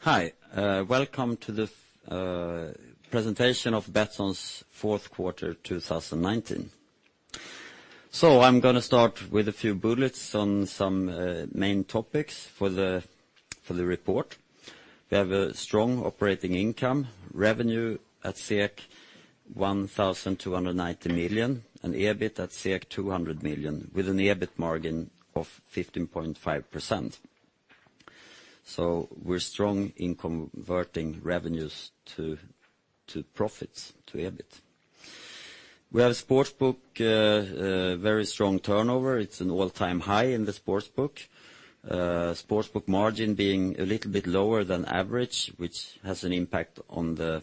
Hi, welcome to the presentation of Betsson's fourth quarter 2019. I'm going to start with a few bullets on some main topics for the report. We have a strong operating income, revenue at 1,290 million and EBIT at 200 million with an EBIT margin of 15.5%. We're strong in converting revenues to profits, to EBIT. We have a Sportsbook, very strong turnover. It's an all-time high in the Sportsbook. Sportsbook margin being a little bit lower than average, which has an impact on the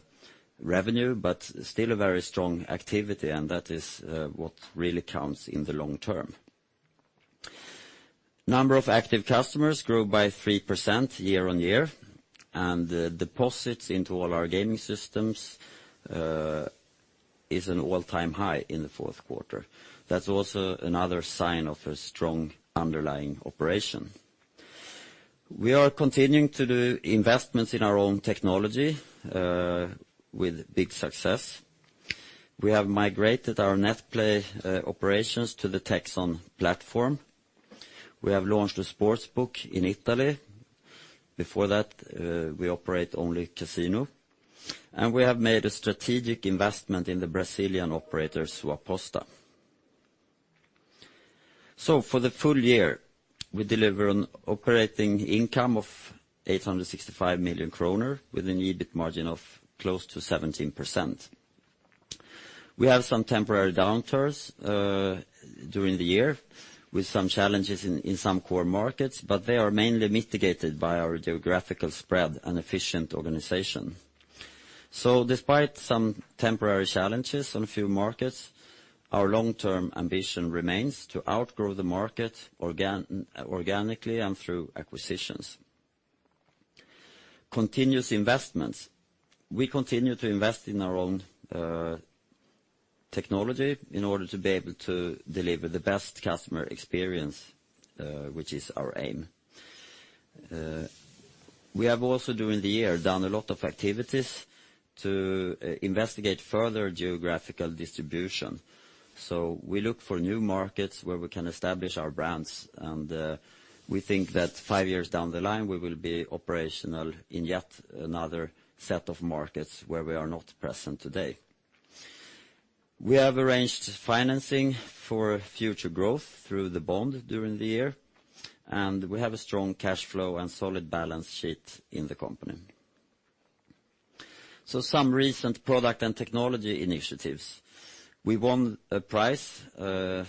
revenue, but still a very strong activity, and that is what really counts in the long term. Number of active customers grew by 3% year-on-year, and deposits into all our gaming systems is an all-time high in the fourth quarter. That's also another sign of a strong underlying operation. We are continuing to do investments in our own technology, with big success. We have migrated our NetPlay operations to the Techsson platform. We have launched a Sportsbook in Italy. Before that, we operate only Casino, and we have made a strategic investment in the Brazilian operator, Suaposta. For the full year, we deliver an operating income of 865 million kronor with an EBIT margin of close to 17%. We have some temporary downturns during the year with some challenges in some core markets, but they are mainly mitigated by our geographical spread and efficient organization. Despite some temporary challenges on a few markets, our long-term ambition remains to outgrow the market organically and through acquisitions. Continuous investments. We continue to invest in our own technology in order to be able to deliver the best customer experience, which is our aim. We have also, during the year, done a lot of activities to investigate further geographical distribution. We look for new markets where we can establish our brands, and we think that five years down the line, we will be operational in yet another set of markets where we are not present today. We have arranged financing for future growth through the bond during the year, and we have a strong cash flow and solid balance sheet in the company. Some recent product and technology initiatives. We won a prize for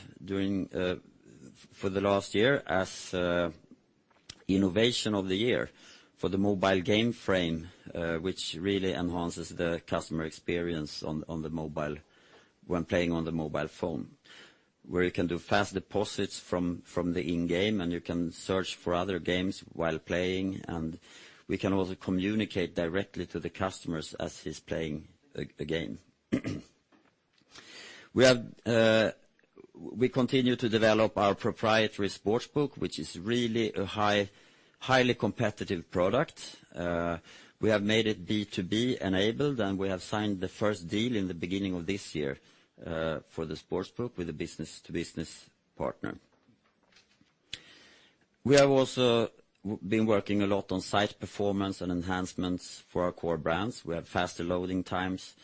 the last year as Innovation of the Year for the mobile game frame, which really enhances the customer experience when playing on the mobile phone, where you can do fast deposits from the in-game, and you can search for other games while playing, and we can also communicate directly to the customers as he's playing a game. We continue to develop our proprietary Sportsbook, which is really a highly competitive product. We have made it B2B enabled, and we have signed the first deal in the beginning of this year, for the Sportsbook with a Business-to-Business partner. We have also been working a lot on site performance and enhancements for our core brands. We have faster loading times.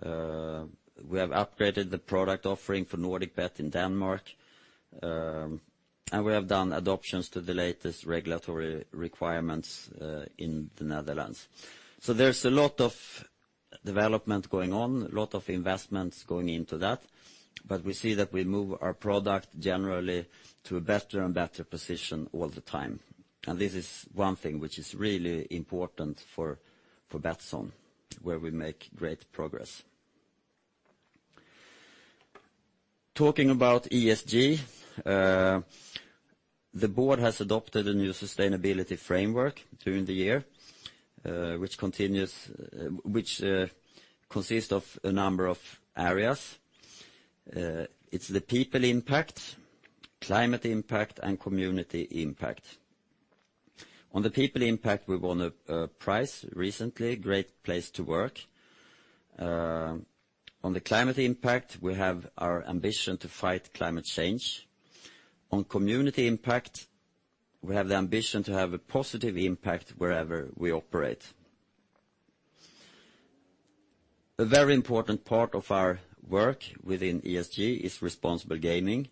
We have upgraded the product offering for NordicBet in Denmark, and we have done adoptions to the latest regulatory requirements in the Netherlands. There's a lot of development going on, a lot of investments going into that, but we see that we move our product generally to a better and better position all the time. This is one thing which is really important for Betsson, where we make great progress. Talking about ESG, the Board has adopted a new sustainability framework during the year, which consists of a number of areas. It's the people impact, climate impact, and community impact. On the people impact, we won a prize recently, great place to work. On the climate impact, we have our ambition to fight climate change. On community impact, we have the ambition to have a positive impact wherever we operate. A very important part of our work within ESG is responsible gaming,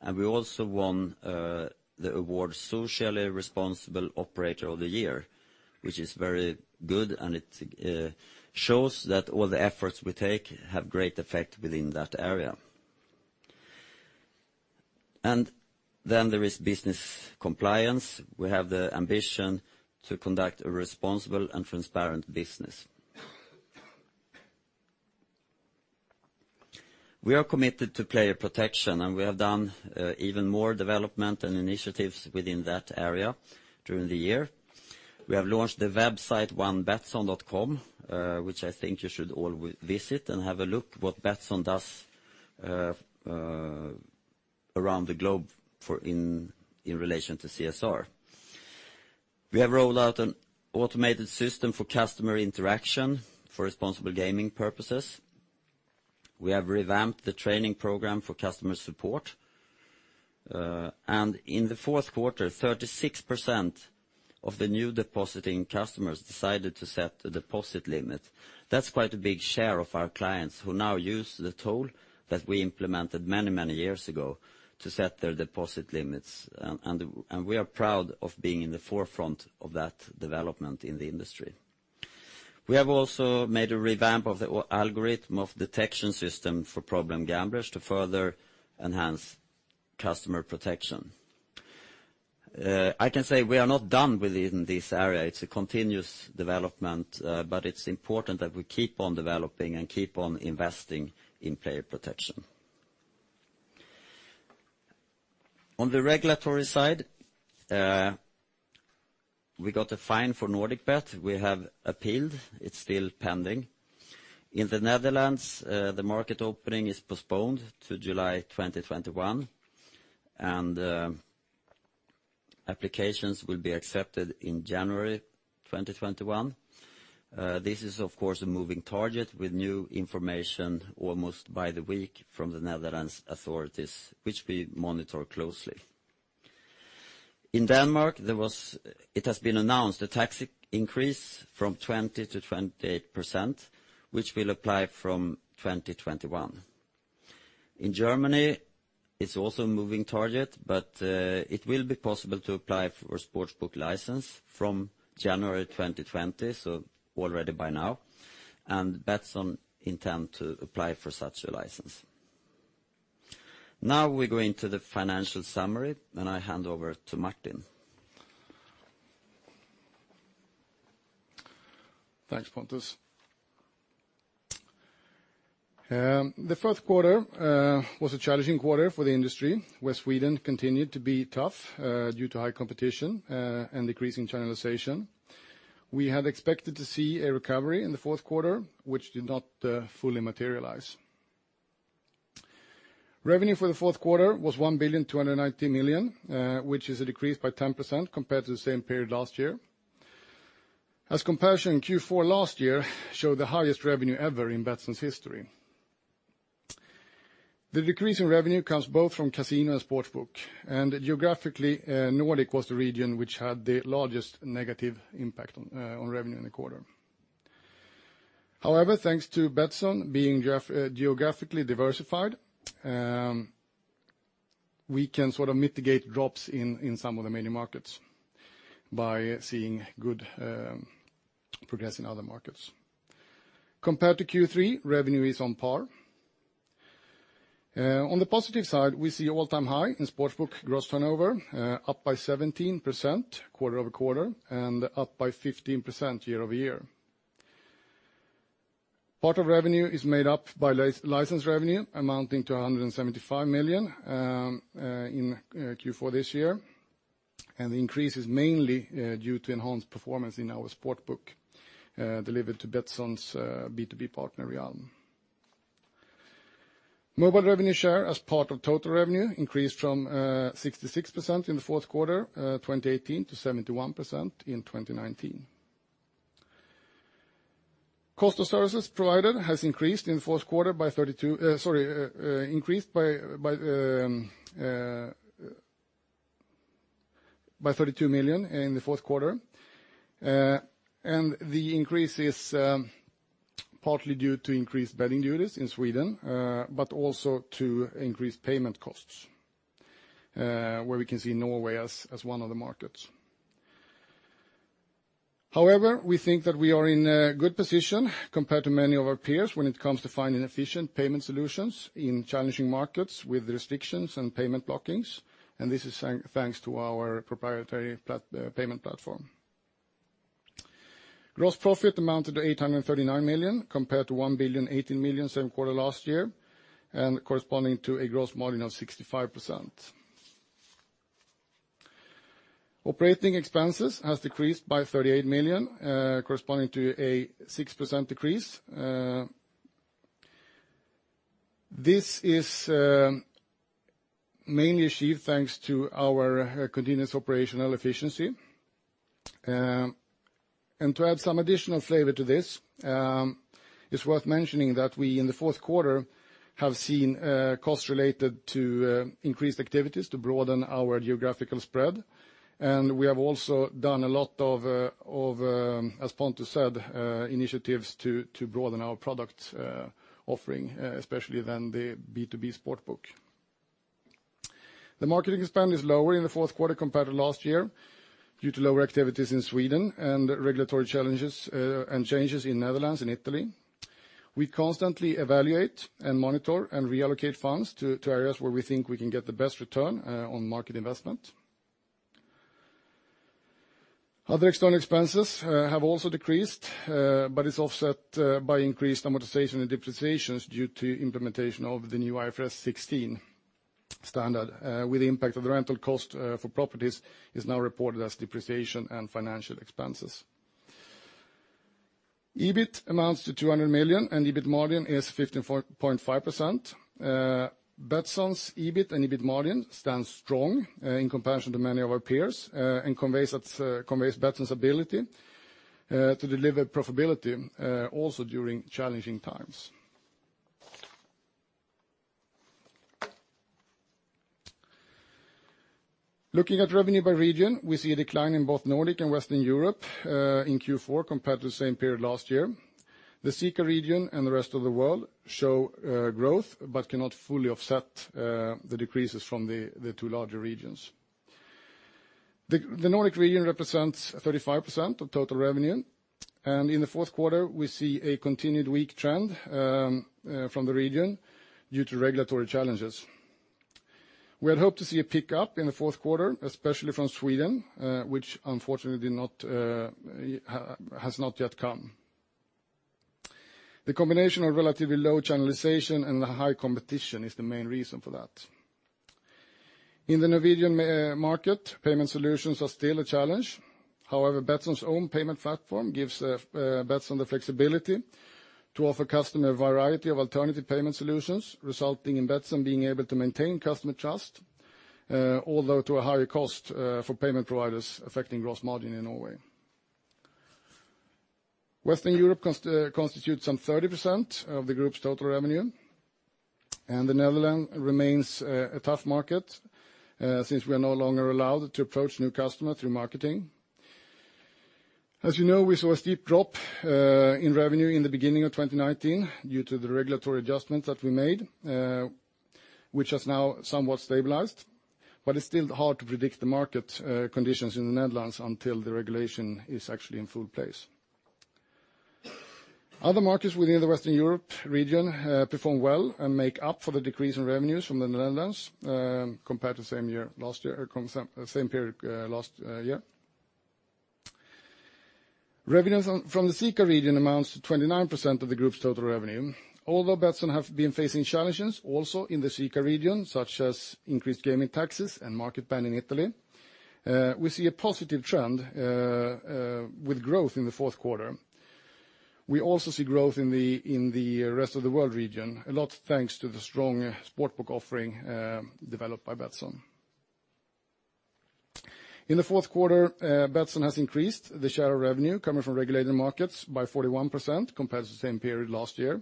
and we also won the award Socially Responsible Operator of the Year, which is very good, and it shows that all the efforts we take have great effect within that area. Then there is business compliance. We have the ambition to conduct a responsible and transparent business. We are committed to player protection. We have done even more development and initiatives within that area during the year. We have launched the website onebetsson.com, which I think you should all visit and have a look what Betsson does around the globe in relation to CSR. We have rolled out an automated system for customer interaction for responsible gaming purposes. We have revamped the training program for customer support. In the fourth quarter, 36% of the new depositing customers decided to set a deposit limit. That's quite a big share of our clients who now use the tool that we implemented many years ago to set their deposit limits, and we are proud of being in the forefront of that development in the industry. We have also made a revamp of the algorithm of detection system for problem gamblers to further enhance customer protection. I can say we are not done within this area. It's a continuous development, but it's important that we keep on developing and keep on investing in player protection. On the regulatory side, we got a fine for NordicBet. We have appealed. It's still pending. In the Netherlands, the market opening is postponed to July 2021, and applications will be accepted in January 2021. This is, of course, a moving target with new information almost by the week from the Netherlands authorities, which we monitor closely. In Denmark, it has been announced a tax increase from 20%-28%, which will apply from 2021. In Germany, it's also a moving target, but it will be possible to apply for a Sportsbook license from January 2020, so already by now, and Betsson intend to apply for such a license. Now we go into the financial summary, and I hand over to Martin. Thanks, Pontus. The fourth quarter was a challenging quarter for the industry, where Sweden continued to be tough due to high competition and decreasing channelization. We had expected to see a recovery in the fourth quarter, which did not fully materialize. Revenue for the fourth quarter was 1,290,000,000, which is a decrease by 10% compared to the same period last year. As comparison, Q4 last year showed the highest revenue ever in Betsson's history. The decrease in revenue comes both from Casino and Sportsbook, and geographically, Nordic was the region which had the largest negative impact on revenue in the quarter. However, thanks to Betsson being geographically diversified, we can sort of mitigate drops in some of the many markets by seeing good progress in other markets. Compared to Q3, revenue is on par. On the positive side, we see all-time high in Sportsbook gross turnover, up by 17% quarter-over-quarter and up by 15% year-over-year. Part of revenue is made up by license revenue amounting to 175 million in Q4 this year. The increase is mainly due to enhanced performance in our Sportsbook delivered to Betsson's B2B partner, Realm. Mobile revenue share as part of total revenue increased from 66% in the fourth quarter 2018 to 71% in 2019. Cost of services provided has increased by 32 million in the fourth quarter. The increase is partly due to increased betting duties in Sweden, but also to increased payment costs, where we can see Norway as one of the markets. However, we think that we are in a good position compared to many of our peers when it comes to finding efficient payment solutions in challenging markets with restrictions and payment blockings, and this is thanks to our proprietary payment platform. Gross profit amounted to 839 million, compared to 1,018,000,000 same quarter last year, and corresponding to a gross margin of 65%. Operating expenses has decreased by 38 million, corresponding to a 6% decrease. This is mainly achieved thanks to our continuous operational efficiency. To add some additional flavor to this, it's worth mentioning that we, in the fourth quarter, have seen costs related to increased activities to broaden our geographical spread. We have also done a lot of, as Pontus said, initiatives to broaden our product offering, especially then the B2B Sportsbook. The marketing spend is lower in the fourth quarter compared to last year due to lower activities in Sweden and regulatory challenges and changes in Netherlands and Italy. We constantly evaluate and monitor and reallocate funds to areas where we think we can get the best return on market investment. Other external expenses have also decreased, but it's offset by increased amortization and depreciations due to implementation of the new IFRS 16 standard with the impact of the rental cost for properties is now reported as depreciation and financial expenses. EBIT amounts to 200 million, and EBIT margin is 15.5%. Betsson's EBIT and EBIT margin stands strong in comparison to many of our peers, and conveys Betsson's ability to deliver profitability, also during challenging times. Looking at revenue by region, we see a decline in both Nordic and Western Europe in Q4 compared to the same period last year. The CEECA region and the rest of the world show growth, but cannot fully offset the decreases from the two larger regions. The Nordic region represents 35% of total revenue, and in the fourth quarter, we see a continued weak trend from the region due to regulatory challenges. We had hoped to see a pickup in the fourth quarter, especially from Sweden, which unfortunately has not yet come. The combination of relatively low channelization and the high competition is the main reason for that. In the Norwegian market, payment solutions are still a challenge. However, Betsson's own payment platform gives Betsson the flexibility to offer customer a variety of alternative payment solutions, resulting in Betsson being able to maintain customer trust, although to a higher cost, for payment providers affecting gross margin in Norway. Western Europe constitutes some 30% of the Group's total revenue, and the Netherlands remains a tough market, since we are no longer allowed to approach new customer through marketing. As you know, we saw a steep drop in revenue in the beginning of 2019 due to the regulatory adjustments that we made, which has now somewhat stabilized. It's still hard to predict the market conditions in the Netherlands until the regulation is actually in full place. Other markets within the Western Europe region perform well and make up for the decrease in revenues from the Netherlands, compared to the same period last year. Revenues from the CEECA region amounts to 29% of the Group's total revenue. Although Betsson have been facing challenges also in the CEECA region, such as increased gaming taxes and market ban in Italy, we see a positive trend with growth in the fourth quarter. We also see growth in the rest of the world region, a lot thanks to the strong Sportsbook offering developed by Betsson. In the fourth quarter, Betsson has increased the share of revenue coming from regulated markets by 41% compared to the same period last year.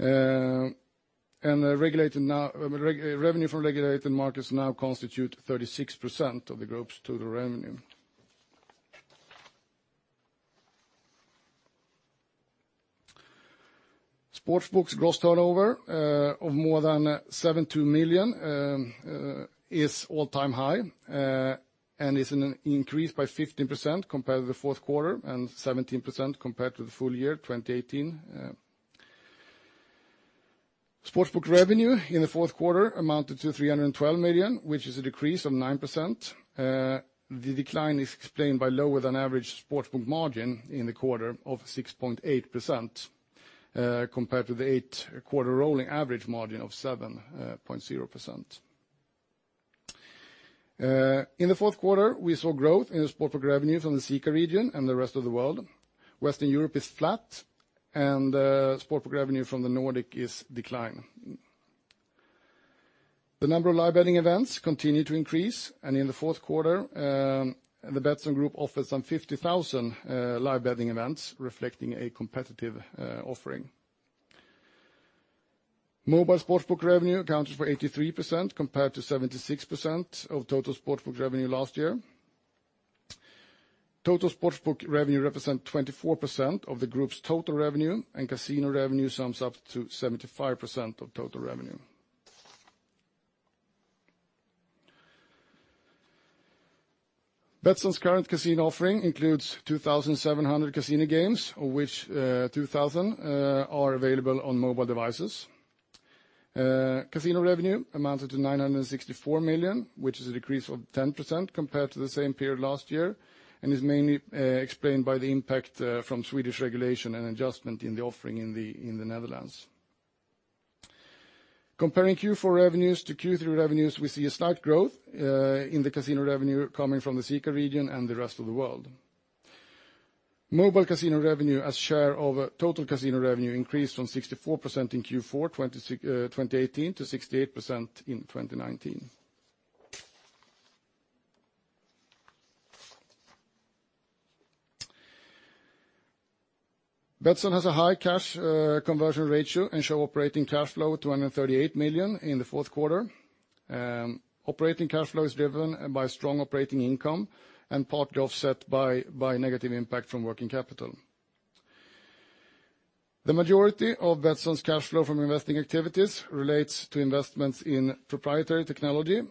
Revenue from regulated markets now constitute 36% of the Group's total revenue. Sportsbook's gross turnover of more than 72 million is all-time high, and is increased by 15% compared to the fourth quarter and 17% compared to the full year 2018. Sportsbook revenue in the fourth quarter amounted to 312 million, which is a decrease of 9%. The decline is explained by lower than average Sportsbook margin in the quarter of 6.8%, compared to the eight-quarter rolling average margin of 7.0%. In the fourth quarter, we saw growth in the Sportsbook revenue from the CEECA region and the rest of the world. Western Europe is flat and Sportsbook revenue from the Nordic is decline. The number of live betting events continue to increase, and in the fourth quarter, the Betsson Group offered some 50,000 live betting events reflecting a competitive offering. Mobile Sportsbook revenue accounted for 83% compared to 76% of total Sportsbook revenue last year. Total Sportsbook revenue represent 24% of the Group's total revenue, and Casino revenue sums up to 75% of total revenue. Betsson's current Casino offering includes 2,700 Casino games, of which 2,000 are available on mobile devices. Casino revenue amounted to 964 million, which is a decrease of 10% compared to the same period last year, and is mainly explained by the impact from Swedish regulation and adjustment in the offering in the Netherlands. Comparing Q4 revenues to Q3 revenues, we see a slight growth in the Casino revenue coming from the CEECA region and the rest of the world. Mobile Casino revenue as share of total Casino revenue increased from 64% in Q4 2018 to 68% in 2019. Betsson has a high cash conversion ratio and show operating cash flow 238 million in the fourth quarter. Operating cash flow is driven by strong operating income and partly offset by negative impact from working capital. The majority of Betsson's cash flow from investing activities relates to investments in proprietary technology.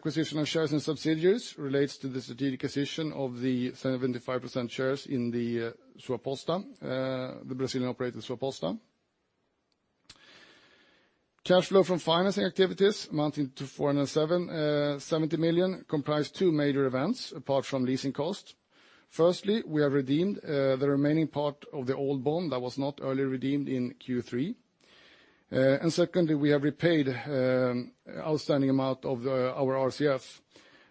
Acquisition of shares and subsidiaries relates to the strategic acquisition of the 75% shares in Suaposta, the Brazilian operator Suaposta. Cash flow from financing activities amounting to 470 million comprised two major events apart from leasing costs. Firstly, we have redeemed the remaining part of the old bond that was not early redeemed in Q3. Secondly, we have repaid outstanding amount of our RCF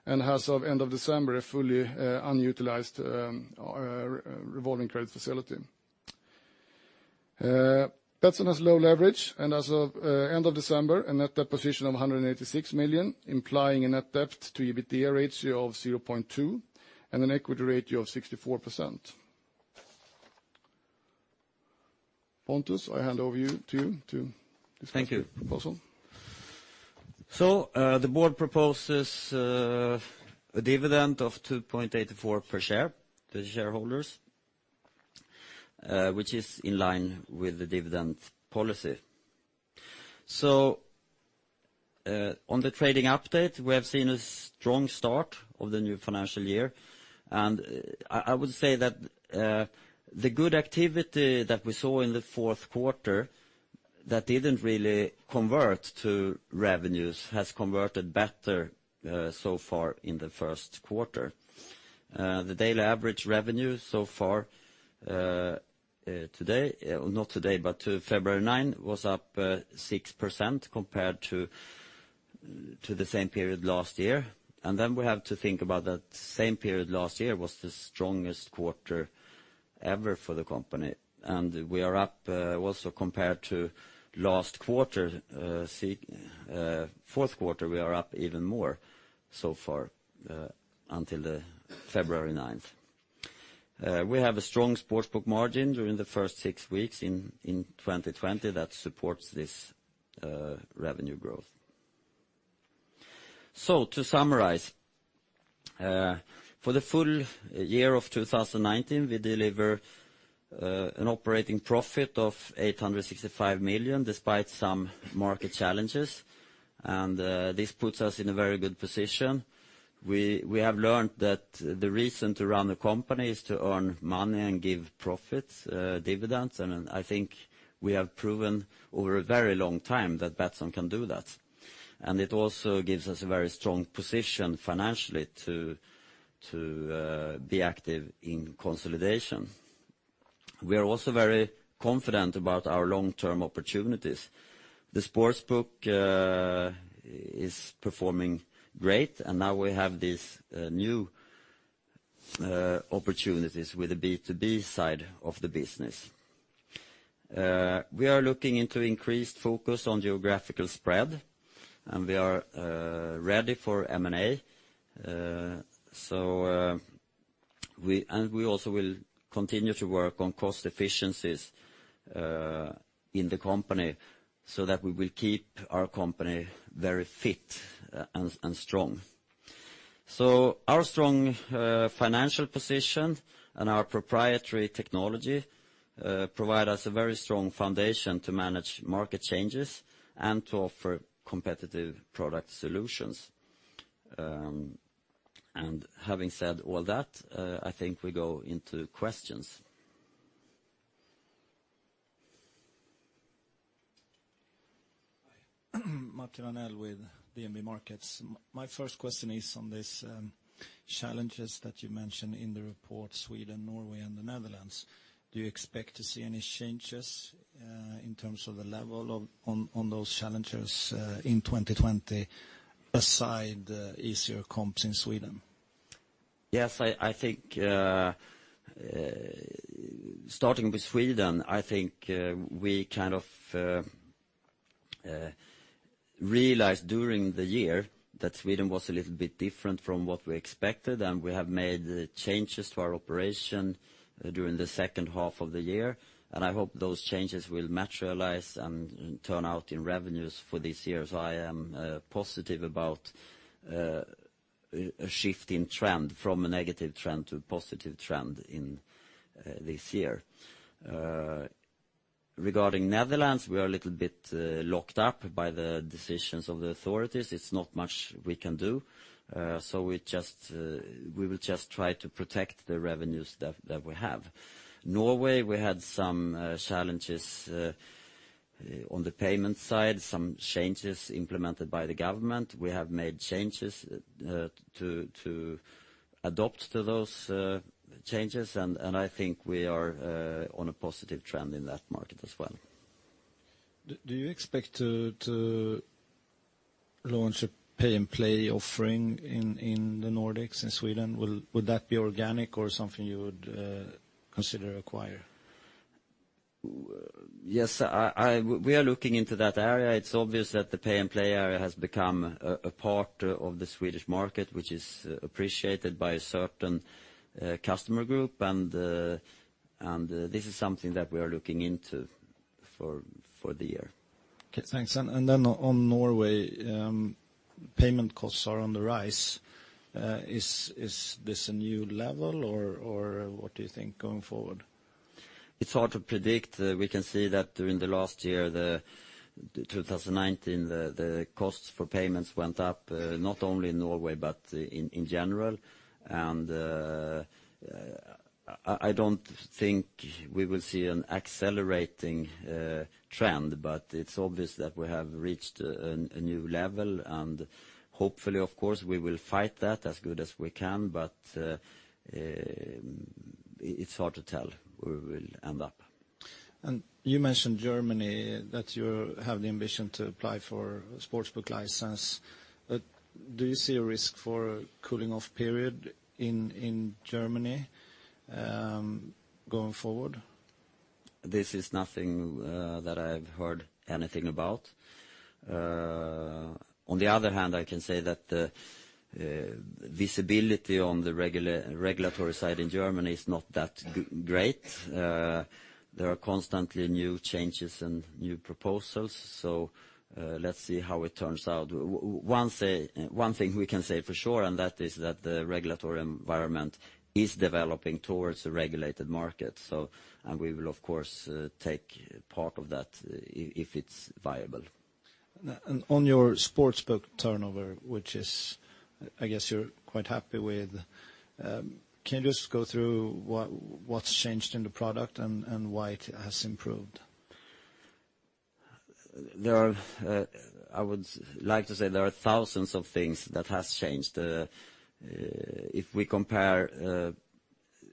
and as of end of December, a fully unutilized revolving credit facility. Betsson has low leverage and as of end of December, a net deposition of 186 million, implying a net debt to EBITDA ratio of 0.2 and an equity ratio of 64%. Pontus, I hand over to you to discuss the proposal. Thank you. The Board proposes a dividend of 2.84 per share to the shareholders, which is in line with the dividend policy. On the trading update, we have seen a strong start of the new financial year, and I would say that the good activity that we saw in the fourth quarter, that didn't really convert to revenues, has converted better so far in the first quarter. The daily average revenue so far today, not today, but to February 9, was up 6% compared to the same period last year. We have to think about that same period last year was the strongest quarter ever for the company, and we are up also compared to last quarter. Fourth quarter, we are up even more so far until February 9th. We have a strong Sportsbook margin during the first six weeks in 2020 that supports this revenue growth. To summarize, for the full year of 2019, we deliver an operating profit of 865 million despite some market challenges. This puts us in a very good position. We have learned that the reason to run the company is to earn money and give profits, dividends, and I think we have proven over a very long time that Betsson can do that. It also gives us a very strong position financially to be active in consolidation. We are also very confident about our long-term opportunities. The Sportsbook is performing great, and now we have these new opportunities with the B2B side of the business. We are looking into increased focus on geographical spread, and we are ready for M&A. We also will continue to work on cost efficiencies in the company so that we will keep our company very fit and strong. Our strong financial position and our proprietary technology provide us a very strong foundation to manage market changes and to offer competitive product solutions. Having said all that, I think we go into questions. Martin Arnell with DNB Markets. My first question is on these challenges that you mentioned in the report, Sweden, Norway, and the Netherlands. Do you expect to see any changes in terms of the level on those challenges in 2020 aside easier comps in Sweden? Starting with Sweden, I think we kind of realized during the year that Sweden was a little bit different from what we expected, we have made changes to our operation during the second half of the year, I hope those changes will materialize and turn out in revenues for this year. I am positive about a shift in trend from a negative trend to a positive trend in this year. Regarding Netherlands, we are a little bit locked up by the decisions of the authorities. It's not much we can do. We will just try to protect the revenues that we have. Norway, we had some challenges on the payment side, some changes implemented by the government. We have made changes to adopt to those changes, I think we are on a positive trend in that market as well. Do you expect to launch a Pay N Play offering in the Nordics, in Sweden? Would that be organic or something you would consider acquire? Yes, we are looking into that area. It is obvious that the Pay N Play area has become a part of the Swedish market, which is appreciated by a certain customer group, and this is something that we are looking into for the year. Okay, thanks. On Norway, payment costs are on the rise. Is this a new level or what do you think going forward? It's hard to predict. We can see that during the last year, 2019, the costs for payments went up, not only in Norway but in general. I don't think we will see an accelerating trend, but it's obvious that we have reached a new level, and hopefully, of course, we will fight that as good as we can. It's hard to tell where we will end up. You mentioned Germany, that you have the ambition to apply for a Sportsbook license. Do you see a risk for a cooling off period in Germany going forward? This is nothing that I've heard anything about. On the other hand, I can say that the visibility on the regulatory side in Germany is not that great. There are constantly new changes and new proposals. Let's see how it turns out. One thing we can say for sure. That is that the regulatory environment is developing towards a regulated market. We will of course, take part of that if it's viable. On your Sportsbook turnover, which is, I guess you are quite happy with, can you just go through what has changed in the product and why it has improved? I would like to say there are thousands of things that has changed. If we compare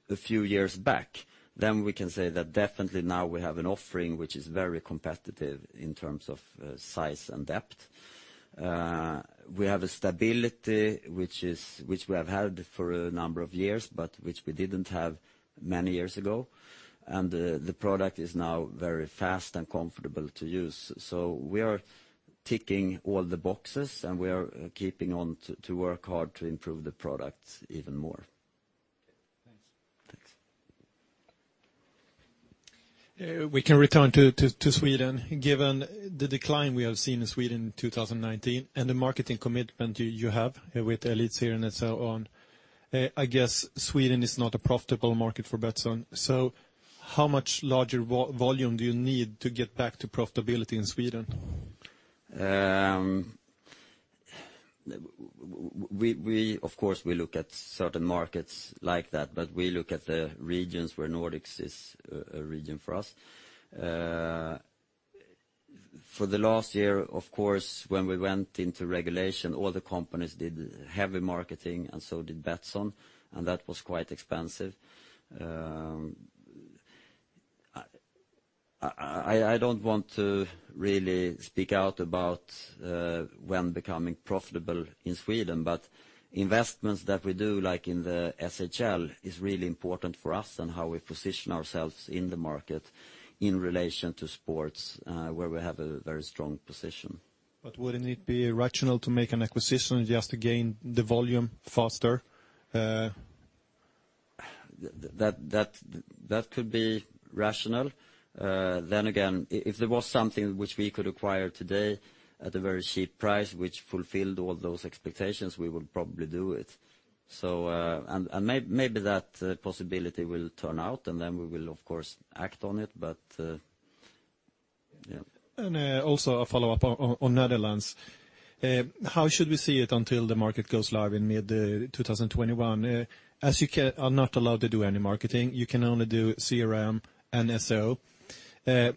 a few years back, we can say that definitely now we have an offering which is very competitive in terms of size and depth. We have a stability which we have had for a number of years, but which we didn't have many years ago, and the product is now very fast and comfortable to use. We are ticking all the boxes, and we are keeping on to work hard to improve the product even more. Okay, thanks. Thanks. We can return to Sweden. Given the decline we have seen in Sweden 2019 and the marketing commitment you have with Elitserien and so on, I guess Sweden is not a profitable market for Betsson. How much larger volume do you need to get back to profitability in Sweden? Of course, we look at certain markets like that, but we look at the regions where Nordics is a region for us. For the last year, of course, when we went into regulation, all the companies did heavy marketing and so did Betsson, and that was quite expensive. I don't want to really speak out about when becoming profitable in Sweden, but investments that we do like in the SHL is really important for us and how we position ourselves in the market in relation to sports, where we have a very strong position. Wouldn't it be rational to make an acquisition just to gain the volume faster? That could be rational. Again, if there was something which we could acquire today at a very cheap price, which fulfilled all those expectations, we would probably do it. Maybe that possibility will turn out, then we will, of course, act on it. Also a follow-up on Netherlands. How should we see it until the market goes live in mid 2021? You are not allowed to do any marketing, you can only do CRM and SEO.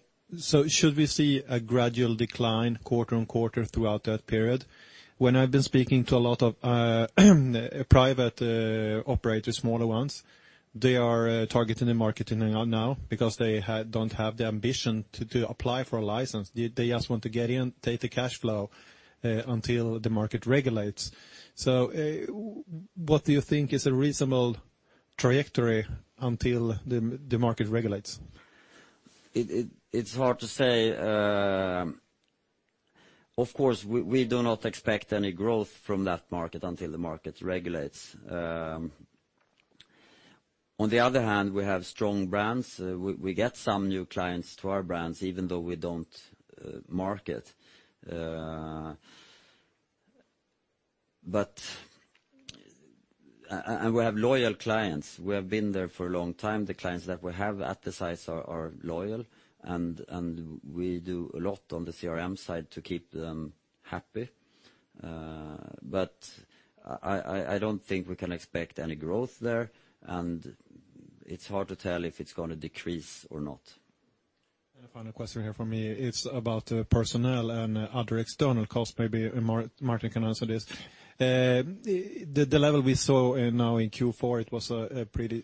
Should we see a gradual decline quarter-on-quarter throughout that period? When I've been speaking to a lot of private operators, smaller ones, they are targeting the marketing now because they don't have the ambition to apply for a license. They just want to get in, take the cash flow, until the market regulates. What do you think is a reasonable trajectory until the market regulates? It's hard to say. Of course, we do not expect any growth from that market until the market regulates. On the other hand, we have strong brands. We get some new clients to our brands, even though we don't market. We have loyal clients. We have been there for a long time. The clients that we have at the sites are loyal, and we do a lot on the CRM side to keep them happy. I don't think we can expect any growth there, and it's hard to tell if it's going to decrease or not. A final question here from me. It's about personnel and other external costs. Maybe Martin can answer this. The level we saw now in Q4, it was a pretty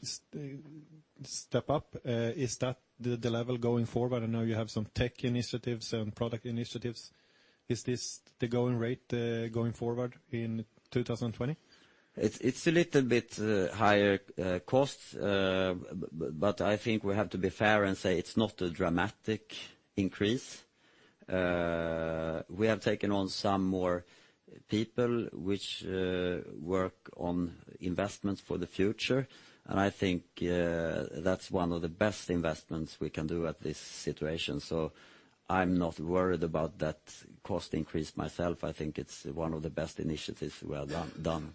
step up. Is that the level going forward? I know you have some tech initiatives and product initiatives. Is this the going rate going forward in 2020? It's a little bit higher cost, but I think we have to be fair and say it's not a dramatic increase. We have taken on some more people which work on investments for the future, and I think that's one of the best investments we can do at this situation. I'm not worried about that cost increase myself. I think it's one of the best initiatives well done.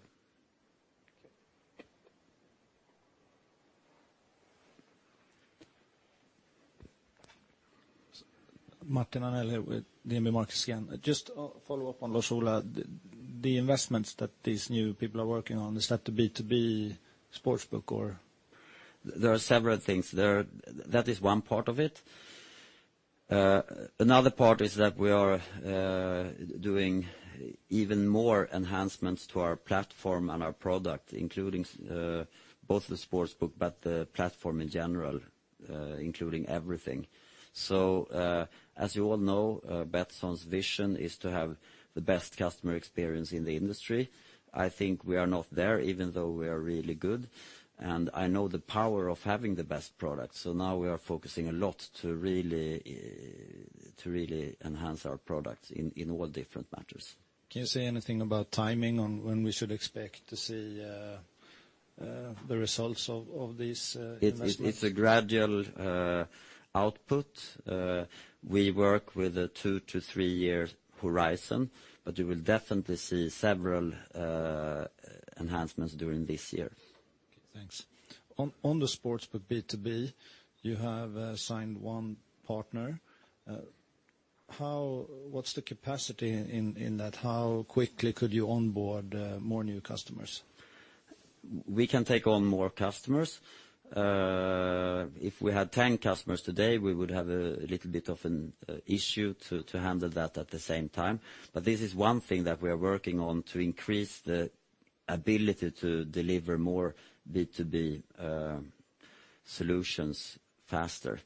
Martin Arnell with DNB Markets again. Just follow up on Lars-Ola. The investments that these new people are working on, is that the B2B Sportsbook or? There are several things. That is one part of it. Another part is that we are doing even more enhancements to our platform and our product, including both the Sportsbook, but the platform in general, including everything. As you all know, Betsson's vision is to have the best customer experience in the industry. I think we are not there, even though we are really good, and I know the power of having the best product. Now we are focusing a lot to really enhance our products in all different matters. Can you say anything about timing on when we should expect to see the results of these investments? It's a gradual output. We work with a two-year to three-year horizon. You will definitely see several enhancements during this year. Okay, thanks. On the Sportsbook B2B, you have signed one partner. What's the capacity in that? How quickly could you onboard more new customers? We can take on more customers. If we had 10 customers today, we would have a little bit of an issue to handle that at the same time. This is one thing that we are working on to increase the ability to deliver more B2B solutions faster.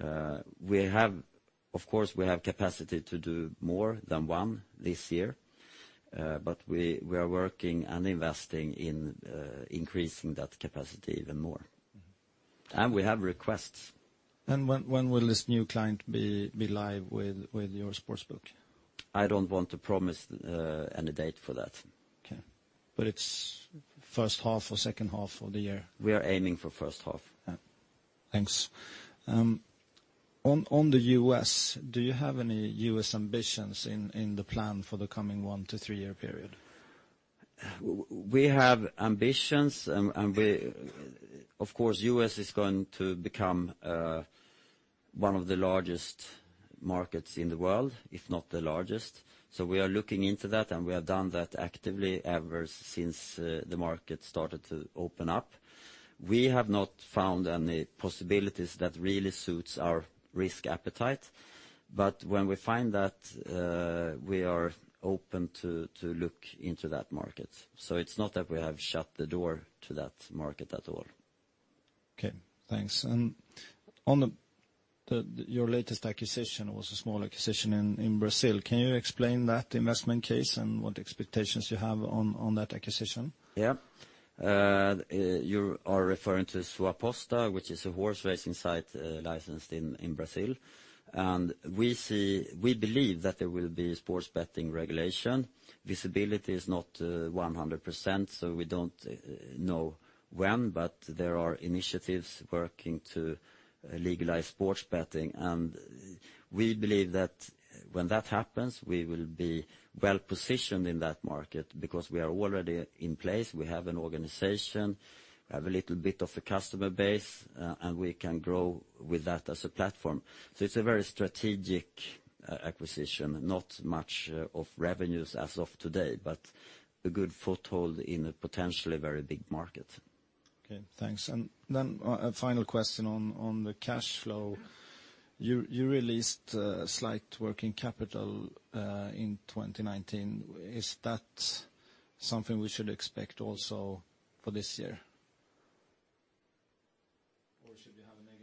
Of course, we have capacity to do more than one this year, we are working and investing in increasing that capacity even more. We have requests. When will this new client be live with your Sportsbook? I don't want to promise any date for that. Okay. It's first half or second half of the year? We are aiming for the first half. Thanks. On the U.S., do you have any U.S. ambitions in the plan for the coming one-year to three-year period? We have ambitions. Of course, the U.S. is going to become one of the largest markets in the world, if not the largest. We are looking into that, and we have done that actively ever since the market started to open up. We have not found any possibilities that really suit our risk appetite, but when we find that, we are open to look into that market. It's not that we have shut the door to that market at all. Okay, thanks. Your latest acquisition was a small acquisition in Brazil. Can you explain that investment case and what expectations you have on that acquisition? Yeah. You are referring to Suaposta, which is a horse racing site licensed in Brazil. We believe that there will be sports betting regulation. Visibility is not 100%, so we don't know when, but there are initiatives working to legalize sports betting. We believe that when that happens, we will be well-positioned in that market because we are already in place. We have an organization, we have a little bit of a customer base, and we can grow with that as a platform. It's a very strategic acquisition, not much of revenues as of today, but a good foothold in a potentially very big market. Okay, thanks. A final question on the cash flow. You released a slight working capital in 2019. Is that something we should expect also for this year?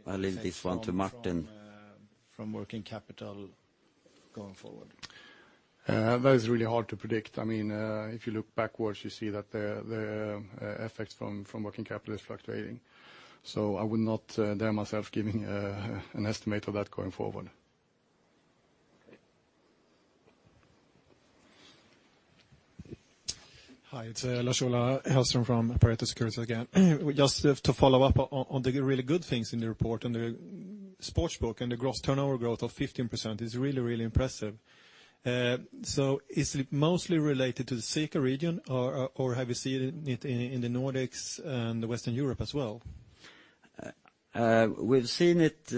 I'll leave this one to Martin. From working capital going forward. That is really hard to predict. If you look backwards, you see that the effects from working capital is fluctuating. I would not dare myself giving an estimate of that going forward. Okay. Hi, it's Lars-Ola Hellström from Pareto Securities again. Just to follow up on the really good things in the report on the Sportsbook and the gross turnover growth of 15% is really impressive. Is it mostly related to the CEECA region, or have you seen it in the Nordics and the Western Europe as well? We've seen it.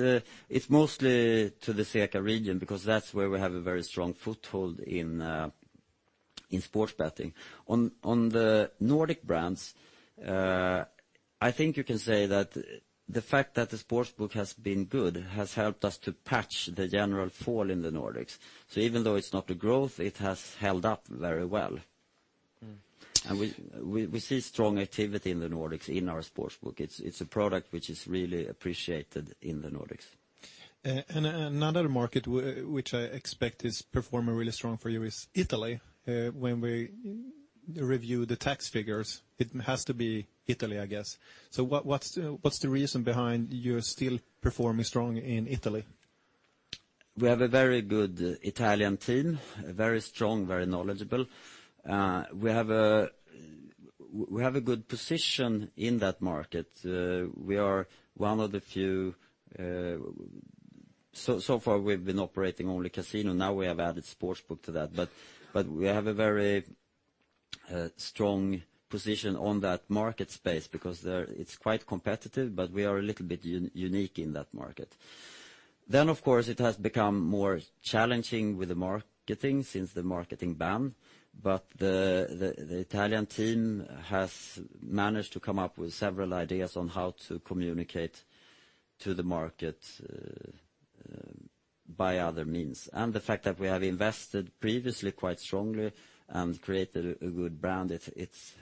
It's mostly to the CEECA region because that's where we have a very strong foothold in sports betting. On the Nordic brands, I think you can say that the fact that the Sportsbook has been good has helped us to patch the general fall in the Nordics. Even though it's not the growth, it has held up very well. We see strong activity in the Nordics in our Sportsbook. It's a product which is really appreciated in the Nordics. Another market which I expect is performing really strong for you is Italy. When we review the tax figures, it has to be Italy, I guess. What's the reason behind you still performing strong in Italy? We have a very good Italian team, very strong, very knowledgeable. We have a good position in that market. So far, we've been operating only Casino. Now we have added Sportsbook to that. We have a very strong position on that market space because it's quite competitive, but we are a little bit unique in that market. Of course, it has become more challenging with the marketing since the marketing ban, but the Italian team has managed to come up with several ideas on how to communicate to the market by other means. The fact that we have invested previously quite strongly and created a good brand, it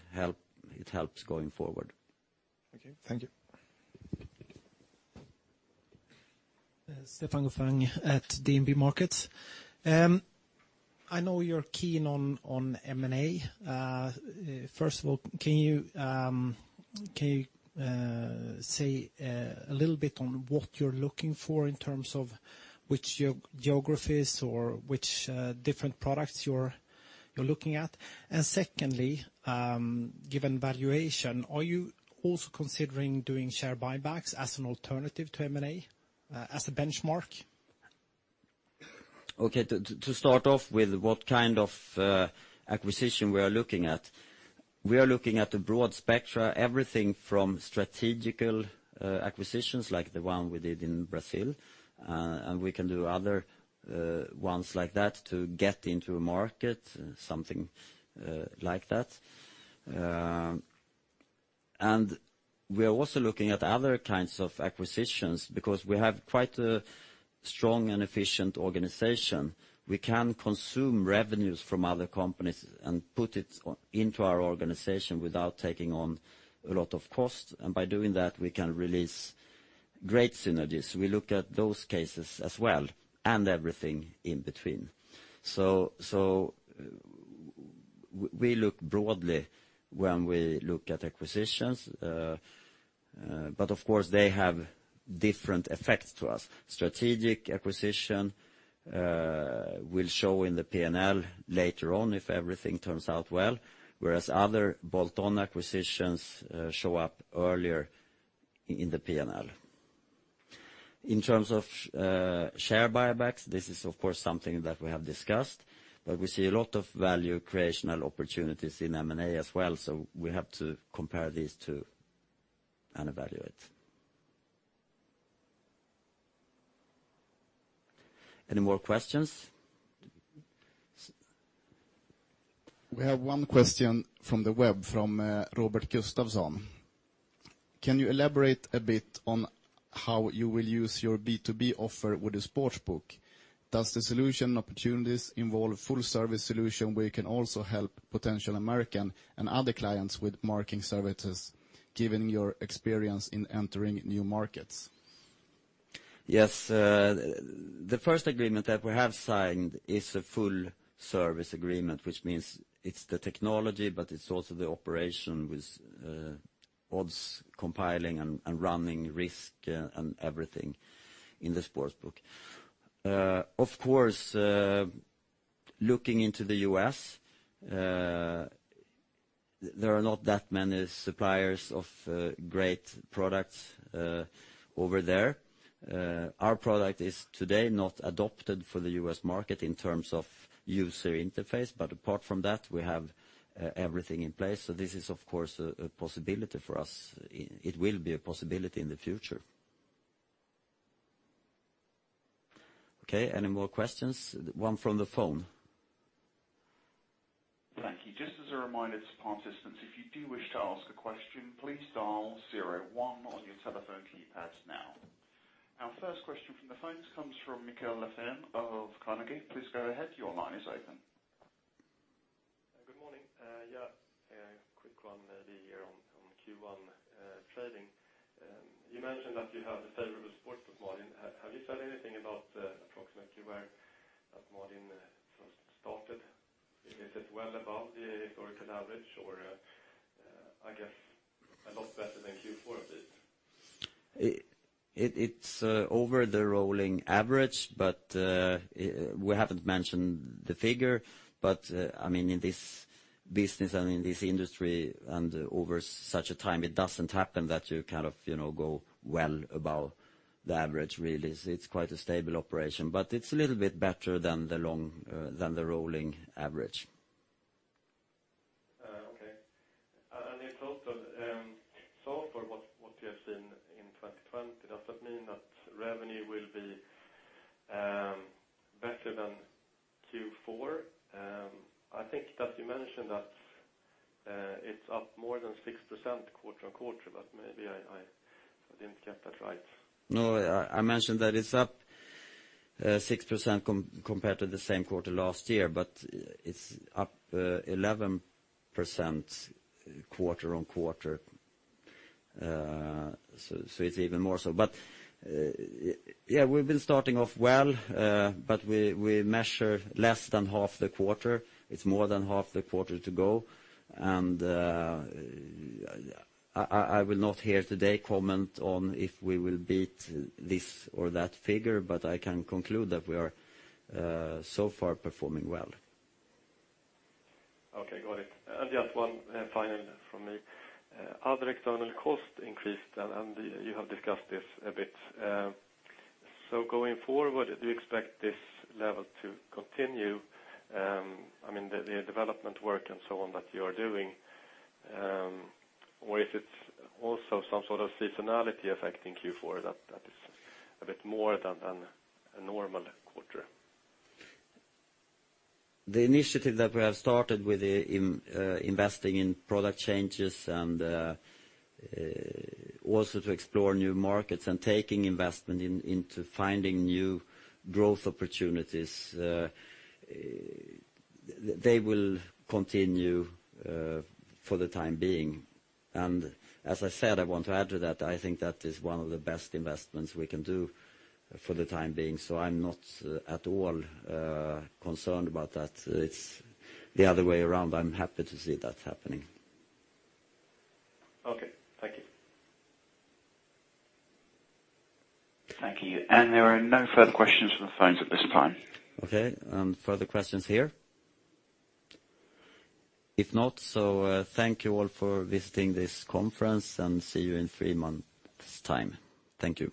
helps going forward. Okay. Thank you. Stefan Gauffin at DNB Markets. I know you're keen on M&A. First of all, can you say a little bit on what you're looking for in terms of which geographies or which different products you're looking at? Secondly, given valuation, are you also considering doing share buybacks as an alternative to M&A, as a benchmark? Okay. To start off with what kind of acquisition we are looking at. We are looking at a broad spectra, everything from strategic acquisitions like the one we did in Brazil, and we can do other ones like that to get into a market, something like that. We are also looking at other kinds of acquisitions because we have quite a strong and efficient organization. We can consume revenues from other companies and put it into our organization without taking on a lot of cost. By doing that, we can release great synergies. We look at those cases as well and everything in between. We look broadly when we look at acquisitions. Of course, they have different effects to us. Strategic acquisition will show in the P&L later on if everything turns out well, whereas other bolt-on acquisitions show up earlier in the P&L. In terms of share buybacks, this is of course something that we have discussed, but we see a lot of value creational opportunities in M&A as well. We have to compare these two and evaluate. Any more questions? We have one question from the web from Robert Gustafsson. Can you elaborate a bit on how you will use your B2B offer with the Sportsbook? Does the solution opportunities involve a full-service solution where you can also help potential American and other clients with marketing services, given your experience in entering new markets? Yes. The first agreement that we have signed is a full-service agreement, which means it is the technology, but it is also the operation with odds compiling and running risk and everything in the Sportsbook. Of course, looking into the U.S., there are not that many suppliers of great products over there. Our product is today not adopted for the U.S. market in terms of user interface, but apart from that, we have everything in place. This is of course a possibility for us. It will be a possibility in the future. Okay, any more questions? One from the phone. Thank you. Just as a reminder to participants, if you do wish to ask a question, please dial zero one on your telephone keypads now. Our first question from the phones comes from Michael Laffin of Carnegie. Please go ahead. Your line is open. Good morning. Yeah. A quick one, maybe on Q1 trading. You mentioned that you have a favorable Sportsbook margin. Have you said anything about approximately where that margin first started? Is it well above the historical average or, I guess a lot better than Q4 a bit? It's over the rolling average, but we haven't mentioned the figure. In this business and in this industry and over such a time, it doesn't happen that you go well above the average, really. It's quite a stable operation. It's a little bit better than the rolling average. Okay. In total, so far what you have seen in 2020, does that mean that revenue will be better than Q4? I think that you mentioned that it's up more than 6% quarter-on-quarter, maybe I didn't get that right. No, I mentioned that it's up 6% compared to the same quarter last year, but it's up 11% quarter-on-quarter. It's even more so. Yeah, we've been starting off well, but we measure less than half the quarter. It's more than half the quarter to go. I will not here today comment on if we will beat this or that figure, but I can conclude that we are so far performing well. Okay, got it. Just one final from me. Other external costs increased, and you have discussed this a bit. Going forward, do you expect this level to continue? The development work and so on that you are doing, or if it's also some sort of seasonality effect in Q4 that is a bit more than a normal quarter. The initiative that we have started with investing in product changes and also to explore new markets and taking investment into finding new growth opportunities, they will continue for the time being. As I said, I want to add to that, I think that is one of the best investments we can do for the time being. I'm not at all concerned about that. It's the other way around. I'm happy to see that happening. Okay. Thank you. Thank you. There are no further questions from the phones at this time. Okay. Further questions here? If not, thank you all for visiting this conference, and see you in three months time. Thank you.